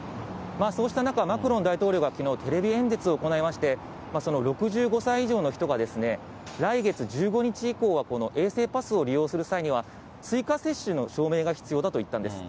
そうした中、マクロン大統領がきのう、テレビ演説を行いまして、６５歳以上の人が、来月１５日以降は衛生パスを利用する際には、追加接種の証明が必要だと言ったんです。